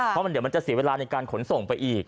เพราะเดี๋ยวมันจะเสียเวลาในการขนส่งไปอีก